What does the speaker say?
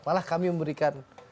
malah kami memberikan